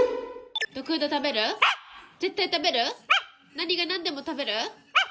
・何が何でも食べる？・ワン！